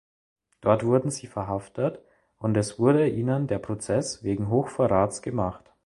Dort wurden sie verhaftet und es wurde ihnen der Prozess wegen Hochverrats gemacht.